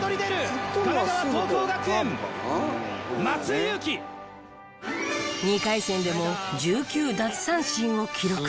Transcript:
いよいよ２回戦でも１９奪三振を記録。